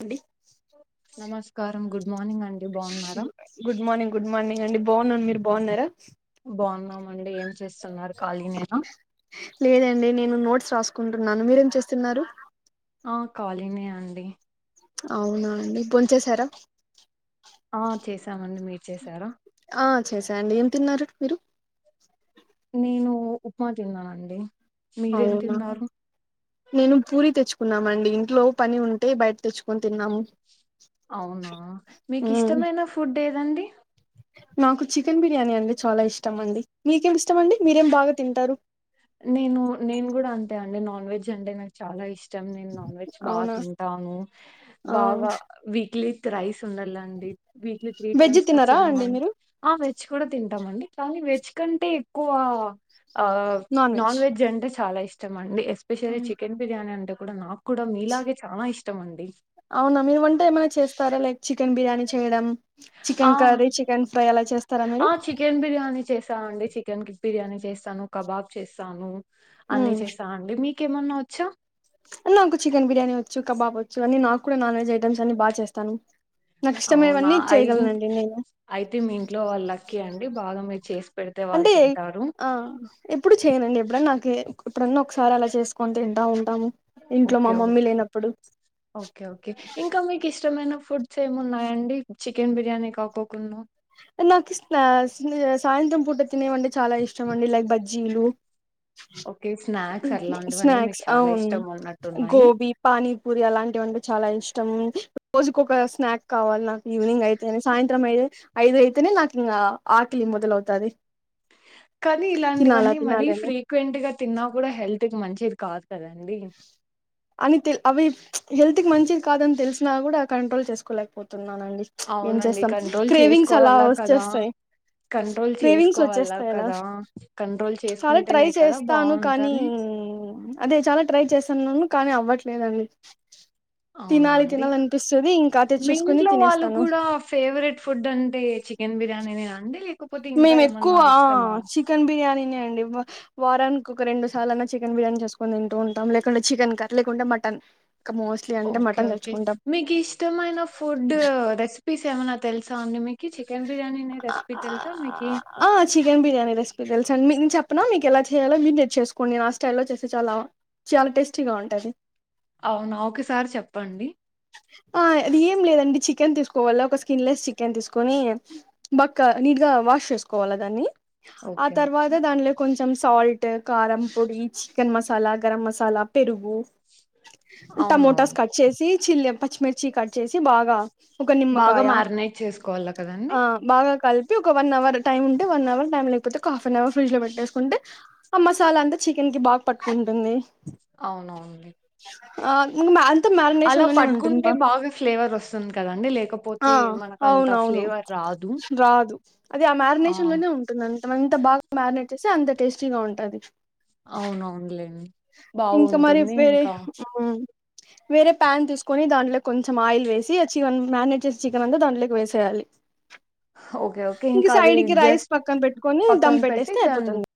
! ! ! ! ! ! నమస్కారం good morning అం good morning good morning అండి బాగున్నాన్ మీరు బాగున్నారా బాగున్నామండి ఏం చేస్తున్నారు ఖాళీనేనా లేదండి నేను నోట్స్ రాసుకుంటున్నాను మీరేం చేస్తున్నారు ఆ కలినే అండి అవునా అండి బోంచేసారా ఆ చేశామండి మీరు చేసారా ఆ చేసా అండి ఏం తిన్నారు మీరు నేను ఉ ఉప్మా తిన్నానండి మీరేం అవునా తిన్నారు నేను పూరి తెచ్చుక్ కున్నామండి ఇంట్లో పని ఉంటే బయట తెచ్చుకొని తిన్నాము అవునా మీకు మ్మ్ ఇష్టమైన ఫుడ్ ఏదండి నాకు చికెన్ బిర్యానీ అంటే చాలా ఇష్టం అండి మీకేమ్ ఇష్టం అండి మీరేం బాగా తింటారు నేను నేను గుడా అంతే అండి నాన్ వెజ్ అంటే నాకు చాలా ఇష్ ష్టం నేను నాన్ వెజ్ బా అవునా తింటాను ఆ బాగా వీక్లీ త్రైస్ ఉండాల అండి వీక్లీ త్రి వెజ్ టైమ్స్ తినరా కచ్చితంగా అండి ఉండ్ మీరు ఆ వే జ్ కూడా తింటామండి కానీ వెజ్ కంటే ఎక్కువ ఆ నాన్ వెజ్ అంటే చాలా ఇష్టం అండి ఎస్పెషల్లి మ్మ్. చికెన్ బిర్యానీ అంటే కూడా నాకు కూడా మీలాగే చానా ఇష్టం అండి అవునా మీరు వంటే ఏమైనా చేస్తారా లైక్ చికెన్ బిర్యానీ చేయడం ఆ చికెన్ కర్రీ చికెన్ ఫ్రై అలా చేస్తారా మీరు ఆ చికెన్ బిర్యానీ చేసామండి చికెన్ కిక్ బిర్యానీ చేస్తా స్తాను కబాబ్ చేస్తాను అన్ని చేస్తా అండి మీకేమన్నా వోచ్చా నాకు చికెన్ బిర్యానీ వచ్చు కబాబ్ వచ్చు అన్ని నాకు కూడా నాన్ వెజ్ ఐటమ్స్ అన్ని బగ్ చేస్తాను నాకు అవునా ఇష్టమైనవన్నీ అయిత్ చేయగలనండి నేను అయితే మీ ఇంట్లో వాల్ లక్కీ అండి బాగా మీరు చేసు అంటే ఆ ఎప్పుడు చేయనండి ఎప్పుడన్నా కే ఎప్పుడన్న ఒకసారి అలా చేసుకొని తింటా ఉ ఓకే ఓకే ఓకే ఓకే ఇంకా మీకు ఇష్టమైన ఫుడ్స్ ఏమి ఉన్నాయండి చికెన్ బిర్యానీ కాకోకుండా నాకు స్నాస్ సాయంత్రం పూట తినేవంటే చాలా ఇష్టం అండి లైక్ బజ్జీలు ఓకే స్నాక్స్ అట్లాంటివన్నీ మీకు స్నాక్స్ చాలా అవును ఇష్టం ఉన్నట్టున్నాయి గోబి పానీపూరి అలాంటివి చాలా ఇష్టం రోజుకు ఒక స్నాక్ కావాలి నాకు ఈవినింగ్ అయితే సాయంత్రం అయితే ఐదు ఐతేనే నాకింగా ఆక్లి మొదలు అవుతాది కానీ ఇలాంటివన్నీ మరీ తినాలని ఫ్రీక్వెంట్ గా తిన్నా కూడా హెల్ తీక్ మంచిది కాద్ కదా అండి అని తీ అవి హెల్త్ కి మంచిది కాదని తెలిసినా కూడా కంట్రోల్ చేసుకోలేకపోత తున్నానండి ఏం అవునండి చేస్తాం కంట్రోల్ క్రేవింగ్స్ అలా చేసుకోవాలా కదా వచ్చేస్తాయి కంట్రోల్ క్రేవింగ్స్ చేసుకోవాలా వొచ్చేస్తాయి అలా కదా కంట్రోల్ చాలా ట్రై చేసుకుంటేనే కదా చేస్తాను కానీ బాగుంటది ఉమ్ అదే చాలా ట్రై చేస్తున్నాను కానీ అవ్వట్లేద్ అండీ అవునా అండి ఇంకా మీ తెచ్చేసుకుని ఇంట్లో వాళ్ళు తినేస్తాను కూడా ఫేవరెట్ ఫుడ్ అంటే చికెన్ బిర్యానీ నేనేనా అండి లేకపోతే ఇంకా మేము ఏమన్నా ఎక్కువ ఇష్టమా? చికెన్ బిర్యానీనే అండి వ వారాన్ ఒక రెండు సార్లన్న చికెన్ బిర్యానీ చేసుకొని తింటూ ఉంటాం లేకుంటే చికెన్ కర్ లేకుంటే మటన్ ఇంకా మోస్ట్లీ అంటే ఓకే మటన్ ఓకే తెచ్చుకుంటాం మీకు ఇష్టమైన ఫుడ్ రెసిపీస్ ఎమన్నా తెలుసా అండి మీకి చికెన్ బిర్యని నే రెస్పీ తెల్సా మీక్ ఆ చికెన్ బిర్యానీ రెస్పీ తెల్స నేన్ చెప్పన మీకు ఎలా చేయాలో మీర్ నేర్చేస్కోండి నా స్టైల్లో చేస్తే చాలా చాలా టేస్టీగా ఉంటది అవునా! ఒకసారి చెప్పండి. ఆ అది ఏం లేదండి చికెన్ తీస్కోవల ఒక స్కిన్ లెస్ చికెన్ తీస్కొని బక్క నీట్ గా అ వాష్ చేస్కోవాలా దాన్ని ఓకే. ఓకే. అతర్వాత దాన్లో కొంచం స సాల్ట్, కారం పొడి, చికెన్ మసాలా, గరం మసాలా, పెరుగు టమోటాస్ అవునవును. కట్ చేసి చిల్లి పచ్చిమిర్చి కట్ చేసి బాగా ఒక బాగా నిమ్మకాయ మ్యారినేట్ చేసుకోవాలా కదండీ! ఆ బాగా కల్పి ఒక వన్ అవర్ టైమ్ ఉంటే వన్ అవర్ టై లేక్పోతే ఒక హాఫనవర్ ఫ్రిడ్ లో పెట్టేస్కుంటే ఆ మసాలాంతా చికెన్ కి బా పట్టుకుంటుంది అవును ఉంది ఆ మాలతో మాగ్నెట్ అలా పట్ట్కుంటే బాగా ఫ్లేవర్ వస్తుంద్ కదండి ఆ లేకపోతే మనకంత అవునవును ఫ్లేవర్ రాదు రాదు అది ఆ మ్యారినేషన్ లోనే ఉంటుందంత మన్ ఎంత బాగా మ్యారినేట్ చేస్తే అంత టేస్టీగా ఉంటది అవును అవునులే ఇంకా మరి వేరే ఉ ఉమ్ వేరే ప్యాన్ తీస్కొని దాంట్లో కొంచం ఆయిల్ వేసి చివన్ మ్యారినేట్ చికెనంతా దాంట్లోకి వేసేయాలి ఓకే ఓకే ఇంక ఇంకా అది సైడ్కి రైస్ జస్ట్ పక్కన్ పెట్టుకొని పక్కన దమ్ పెట్టి పెట్టేస్తే దాన్ ఐపోయింది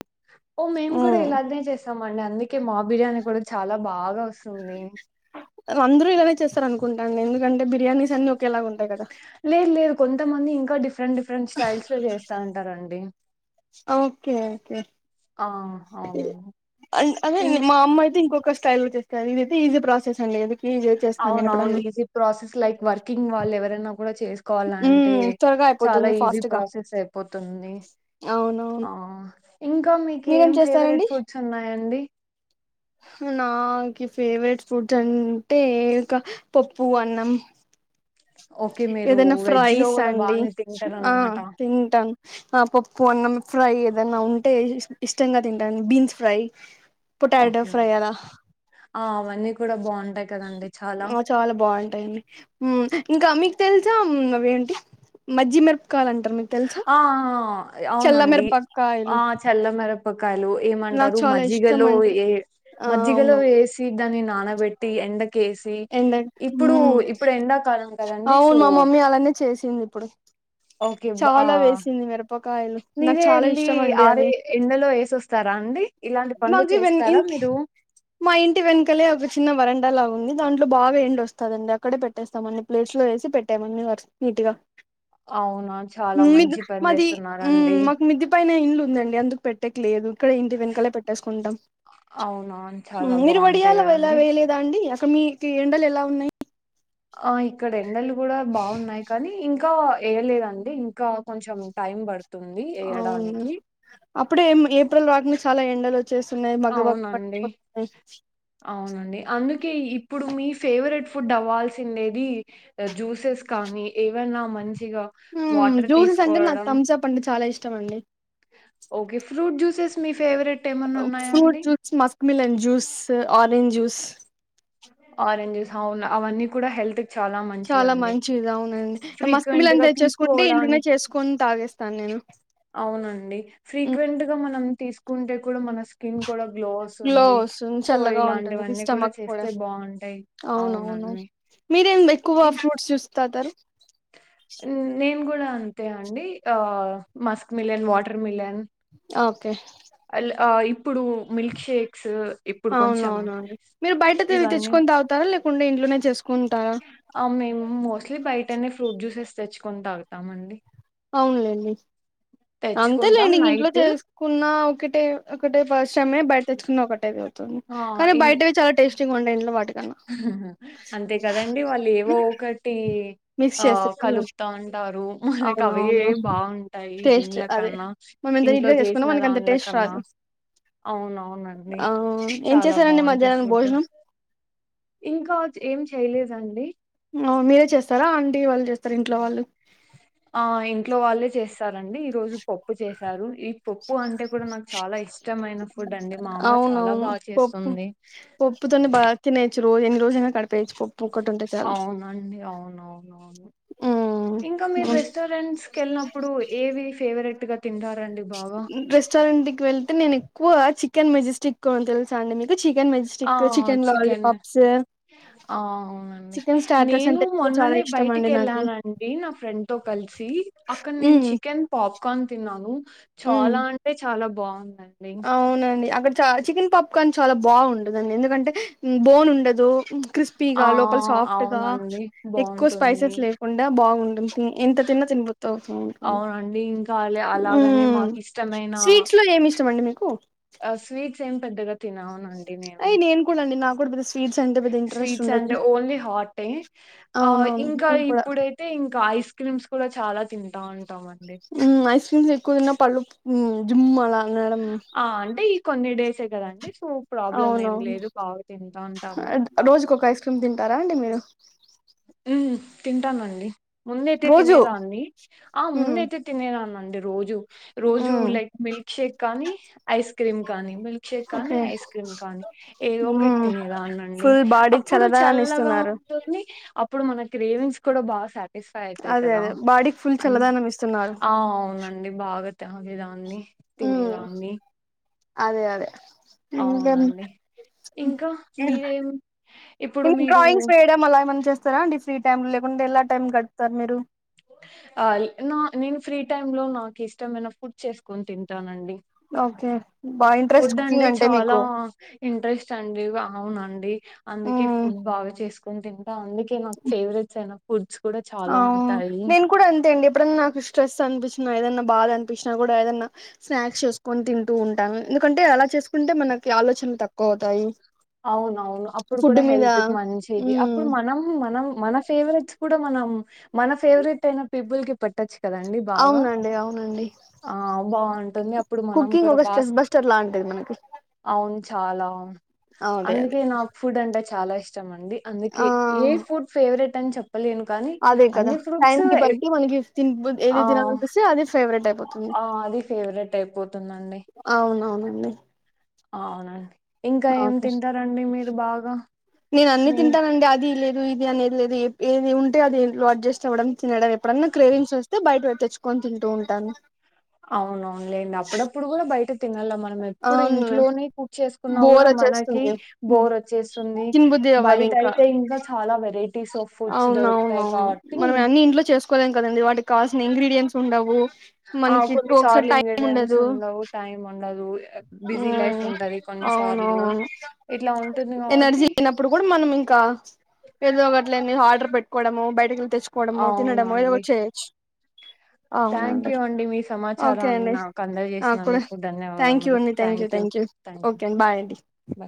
ఓ మేమ్ కూడా ఇలాగ్నే చేస్తమండి అందుక్ ఓకే మా బిర్యానీ కూడా చాలా బాగా వస్తుంది అందరూ ఇలాగే చేస్తారన్కుంట అండి ఎందుకంటే బిర్యానీస్ అన్ని ఒక్ లేద్ లేద్ కొంతమంది ఇంకా డిఫ్రెంట్ డిఫ్రెంట్ స్టైల్స్ లో చేస్తా ఉంటారండి ఓకే ఓకే అంటే ఆ అవునండి అన్ అదే ఇం మా అమ్మైతే ఇంకొక స్ స్టైల్ చేస్తార్ ఇదైతే ఈజీ ప్రాసెస్ అండి ఇది అవున్నవున్ ఈజీ ప్రాసెస్ లైక్ వర్కింగ్ వాళ్ల్ ఎవరైనా కూడా చేస్కోవాలంటే ఉమ్ త్వరగా చాలా అయిపోతుంది ఈజీ ఫాస్ట్ గా ప్రాసెస్ ఐపోతుంది అవునవును ఆ ఇంకా మీరేం మీకేం ఫేవ్రెట్ ఫుడ్స్ ఉన్నాయండి నా కి ఫేవ్రెట్ ఫుడ్స్ అంటే ఇకా పప్పు అన్నం ఓకే మీరు ఏదైనా వెజ్ లో ఫ్రైస్ కూడా అండి బానే ఆ తింటారనమాట తింటామ్ ఆ పప్పు అన్నం ఫ్రై ఏదన్నా ఉంటే ఇష్ ఇష్టంగా తింటాను beans fry potato okay fry అల ఆ! అవన్నీ కూడా బావుంటాయి కదండీ ఆ చాలా బా ఉంటాయండి ఉమ్ హె ఇంకా మీ తెల్సా ఉమ్ అవ్వేంటి మజ్జి మిర్ప్ ఆ ఆ చల్ల అవ్నండి మిరపకాయలు ఆ చల్ల మీరపకాయ్లు ఏమ నాకు అంటారు చాలా ఇష్టం మజ్జిగలో అండి వెస్ ఆ మజ్జిగలో అవునవును వెసి దాన్ని నానబెట్టి ఎండక్ కేేసి ఎండ ఇప్పుడు మ్మ్ ఇప్పుడ్ ఎండాకాలం కదండి సో అవును మా మమ్మీ అలానే చేసింది ఇప్పుడు ఓకే బ చాలా ఆహ్, వేసింది మిరప్ మీరే ఎళ్ళి ఆరే ఎండలో ఎసేస్తారా అండి ఇలాంటి పన్లు మాకు వెన్ చేస్తారా ఇంటి లేదా దు మా ఇంటి వెన్కలే ఒక చిన్న వరణ్ కలగుంది దాంట్లో బాగా ఎండొస్తాదండి అక్కడే పెట్టేస్తాం అన్ని ప్లేస్ లో ఎసి పెట్టామనీ నీట్గా అవున చాలా మీద్ మంచి పన్ మాది మ్మ్ జేస్తున్నరండి. మాకు మిద్ది పైన ఇండ్లు ఉందండి అందుకు పెట్టేకి లేదు ఇక్కడ ఇంటి వెన్కలే పెట్టేస్కుంటాం. అవునా! చాలా మీరు బావుంటాయి వడియాల్ వెయ్ల గదండీ! వేయ్లేదా అండి. అస్ ఇక మీకి ఎండల్ ఎలా ఉన్నాయ్ ఆ ఇక్కడెండలు కూడా బాగున్నాయ్ కానీ ఇంకా వేయలేదండి ఇంకా కొంచెం టైం పడుత్ అవును అప్పుడే ఎం ఏప్రిల్ రాకిని చాలా ఎం అవునండి అవునండి అందు కే ఇప్పుడు మీ ఫేవరెట్ ఫుడ్ అవ్వాల్సిందేది జ్యూసెస్ కానీ ఏవన్నా మని ఉ జ్యూసెస్ అంటే నాకు థమ్స్ అప్ అంటే చాలా ఇష్టం అండి. ఓకే ఫ్రూట్ జ్యూసెస్ మీ ఫేవరెట్ ఏమన్నా ఉన్నాయా ఫ్రూట్ అండి juice Musk melon juice orange juice oranges అవును అవన్నీ కూడా హెల్త్ చాలా చాలా మంచిదండి మంచిది అవునండ్ మస్క్ ఫ్రీక్వెంట్ మిలన్ గా తెచ్చేసుకుంటే ఇంట్లోనే తీసుకోవడాని చేసుకొన్ తాగేస్తాను నేన్ అవునండి ఫ్రీక్వెంట్ గా మనం తీసుకుంటే కూడా మన స్కిన్ కూడా గ్లో గ్లో ఓస్తుంది వస్తుంది సో చల్లగా ఉంటుంది ఇలాంటివన్నీ కూడా స్టమక్ చేస్ అవునవును మీరెంది ఎక్కువగా ఇం ఫ్రూట్ జ్యూస్ తాగుతారు. నేను కూడా అంతే అండి. ఆ మస్క్ మిలన్, వాటర్ మిలన్ ఆ అల్ ఆ ఇం కొంచెం అవునవునవును మీరు బయట తిరిగి ఇవన్నీ తెచ్చుకొని తాగుతారా లేకున్ ఇంట్లో నేన్ చేసుకున్ ఆ మేము మోస్ట్లీ బయటనే ఫ్రూట్ జ్యూసెస్ తెచ్చుకొని తాగుతామండి. అవునులేండి తెచ్చుకుంటాం అంతేలేండి. ఇంట్లో నైట్ చేసుకున్న ఒకటే ఒకటే పరిశ్రమే బట్ తెచ్చుకున్నా ఒకటె కద్ ఆ ఇన్ ఇంట్లో వాటికన్నా అంతే కదండి వాళ్ళు ఏవో ఒకటి మిక్స్ ఆ చేస్తే కలుపుతా ఉంటారు. మనకి అవి ఎ అవునవును బాగుంటాయి టేస్ట్ దీంల అదే కన్నా మనం ఎంత నీట్ ఇంట్లో గా చేసుకున్నా చేసిన మనకి అంత టేస్ట్ దాంలకన్నా రాదు అవును అవునండి ఆ ఏం చాలా చేశారండి బాగుంటాయి మధ్యాహ్నం ఫుడ్ భోజనం ఇంకా ఏం చేయలేదండి. అ మీరే చేస్తారా ఆంటీ వాళ్ళు చేస్తార ఇంట్లో వాళ్ళు ఆ ఇంట్లో వాళ్ళే చేస్తారండి. ఈ రోజు పప్పు చేసారు. ఈ పప్ ప్పు అంటే కూడా నాకు చాలా ఇష్టమైన ఫుడ్ అండి. మా అమ్మ చాలా బాగా చేస్తుంది. ఉప్పుతోని బ తినేచ్చు రోజు ఎన్ని రోజులైన కడిపేయచ్చు. ప్ప అవున అండి అవునవునవును ఇంకా మీరు ఉమ్ రెస్టారెంట్స్ క్ వెళ్ళినప్పుడు ఏవి ఫేవరెట్ గా తింటారండి బాగా రెస్టారెంట్కీ వెళ్తే నేను ఎక్కువ చికెన్ మెజెస్టిక్ కోన్ తెలుసా అండి మీకు చికెన్ ఆ మెజిస్టిక్, చికెన్ లాలిపాప్స్ ఆ అవునండి నేను ఎక్కువ చాలా మొన్ననే ఇష్టం బయటికి అండి నాకి వెళ్ళానండి. నా ఫ్రెండ్ తో కలిస్ సి అక్కడ నేను ఉమ్ చికెన్ పాప్కార్న్ తిన్నాను. ఉమ్ చాలా అంటే చాలా బాగుంది. అవునండి అక్కడ చ చికెన్ పాప్కార్న్ చాలా బాగుండదండి. ఎందుకంటే బోన్ ఉండదు. ఆ క్రిస్పీగా లోపల సాఫ్ట్ గా అవునండి ఎక్కువ బాగుంటుంది స్పైసెస్ లేకుండా బాగుంట ఎంత తిన్న తిన్బుద్ధి అవుతు ఉంటుంది చాలే అలాగనే ఉమ్ మాక్ ఇష్టమైన స్వీట్స్ లో ఏమి ఇష్టం అండి మీకు ఆ స్వీట్స్ ఏం పెద్దగా తిన అ అండి నేను అయి కూడా అండి నాకు కూడా పెద్ద స్వీట్స్ అంటే పెద్ద ఇంట్రెస్ట్ స్వీట్స్ ఉండేది అంటే ఓన్లీ హాట్ ఏ ఆ అవునవును ఇంకా నేను కూడా ఇప్పుడైతే ఇంకా ఐస్ క్రీమ్స్ కూడా చాలా తింటా ఉంటాం అన్ ఉ ఐస్ క్రీమ్స్ ఎక్కువ తిన్నా పళ్ళు జుమ్ అలా అనడం ఆ అంటే ఈ కొన్ని డేసే కదండి. సో ప్రాబ్లం ఏం అవునవును లేదు బాగా తింటా ఉంటాము ఇంకా తర అండి మీరు ఉమ్ తింటానండి ముందైతే రోజు తినేదాన్ని ఆ మ్మ్ ముందయితే తినేదానండి రోజు రోజూ మ్మ్ లైక్ మిల్క్ షేక్ కానీ ఐస్ క్రీమ్ కానీ, మిల్క్ షేక్ కానీ, ఓకే ఐస్ క్రీమ్ కానీ, ఏదో ఒకటి మ్మ్ తినేదానండి ఫుల్ అప్ బాడీకి అప్పుడు చల్లదనాన్ని చల్లగా ఇస్తున్నారు ఉంటుంది. అప్పుడు మన క్రేవింగ్స్ కూడా బాగా సా మిస్స్ అయితాయి అదే కదా అదే బాడీకి ఫుల్ అ చల్లదనం ఇస్తున్నారు అవునండి బాగా తాగేదాన్ని మ్మ్ తినేదాన్ని అదే అదే ఇంకా అవునండి ఇంకా మీరేం ఇప్పుడు మీరూ స్తారా అండి ఫ్రీ టైమ్ లో లేకుంటేలా టైం గడుపుతారు మీరు ఆ ల్ నొ నేను ఫ్రీ టైమ్ లో నాకిష్టమైన ఫుడ్ చేసుకొని తింటానండి ఓకే బాగా ఇంట్రెస్ట్ ఫుడ్ అంటే కుకింగ్ చాలా మీకు ఇంట్రెస్ట్ అండి ఆవునండి అందుకే మ్మ్ ఫుడ్ బాగా చేసుకొని తింటా అందుకే నాకు ఫేవరెట్స్ అయినా ఫుడ్స్ కూడా చాలా అవ్ ఉంటాయి నేను కూడా అంతే అండి ఎప్పుడన్నా నాకు స్ట్రెస్ అనిపిచ్చిన ఏదన్నా బాధ అనిపించినా కూడా ఏదన్నా స్నాక్స్ చేసుకొని తింటూ ఉంటాను ఎందుకంటే అలా చేసుకొ అంటే మనకి ఆలోచనలు తక్కువ అవుతాయి అవునవును అప్పుడు ఫుడ్ కూడా మీద హెల్త్ కి మంచిది ఉమ్ అప్పుడు మనం మనం మన ఫేవరేట్స్ కూడా మనం మన ఫేవరెట్ అయిన పీపుల్ కి పెట్టచ్చు కదండి బాగా అవునండి అవునండి ఆ బాగుంటుంది అప్పుడు మనం కుకింగ్ కూడా ఒక బాగా స్ట్రెస్ బస్టర్ లాంటిది మనకి అవును చాలా అదే అదే అందుకే నాక్ ఫుడ్ అంటే చాలా ఇష్టమండి అందుకే ఆ ఏ ఫుడ్ ఫేవరెట్ అని చె ప్పలేను కానీ అదే కదా అన్ని టైం ఫ్రూట్స్ కి ఎ బట్టి మనకి తిన్ ఏది అహ్ తినాలనిపిస్తే అది ఫేవరెట్ అయిపోతుంది ఆ అది ఫేవరెట్ అయిపోతుందండి అవునావునండి అవునండి ఇంకా ఏం తింటారండి మీరు బాగా మీ ఇది ఇది అనేది లేదు ఎద్ ఏది ఉంటే అది ఇంట్లో అడ్జస్ట్ అవ్వడం తినడం ఎప్పుడన్నా క్రేవింగ్స్ వస్తే బయట తెచ్చుకొని తింటూ ఉంటాను అవునవునులేండి అప్పుడప్పుడు కూడా బయట తినాల మనం ఎప్పుడు అవును ఇంట్లోనే కూక్చేసు కున్నా బోర్ కూడా మనకీ వచ్చేస్తుంది బోర్ వచ్చేసుంది తినబుద్ధి అవ్వదు బయట అయితే ఇంకా చాలా వె అవునవునవును మనం అన్ని ఇంట్లో చేసుకోలెం కదండీ వాటికి కావలసిన ఇంగ్రెడియెంట్స్ ఉండవు ఆ మనకి కొన్ని ఒకసారి సార్లు టైం ఇంగ్రెడియెంట్స్ ఉండదు ఉండవు టైమ్ ఉండదు బిజీ లైఫ్ ఉమ్ ఉంటది కొన్నిసార్లు అవునవును ఇట్లా ఉంటుంది కాబట్టి ఎనర్జీ లేనప్పుడు కూడా మనమింక ఆ ఏదో ఒకటిలేండి ఆర్డర్ పెట్టుకోవడమో బయటకెళ్ళి తెచ్చుకోవడమో తినడమో ఏదో అవునండి ఒకటి చేయొచ్చు థ్యాంక్ అవునండి యూ అండి మీ ఓకే సమాచారాన్ని అండి నాకు నాకూడా అందజేసినందుకు థాంక్యూ ధన్యవాదములు అండి thank you thank you thank you thank okay అండి బాయ్ అండి యూ